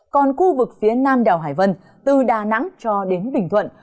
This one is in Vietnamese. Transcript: còn khu vực phía nam đảo hải vân từ đà nẵng cho đến bình thuận